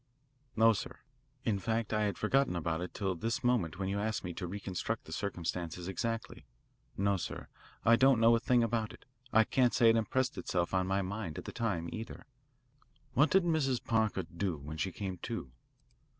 "No, sir; in fact I had forgotten about it till this moment when you asked me to reconstruct the circumstances exactly. No, sir, I don't know a thing about it. I can't say it impressed itself on my mind at the time, either." "What did Mrs. Parker do when she came to?"